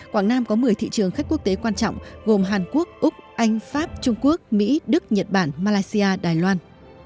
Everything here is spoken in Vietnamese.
quảng nam có một mươi thị trường khách quốc tế quan trọng gồm hàn quốc úc anh pháp trung quốc mỹ đức nhật bản malaysia đài loan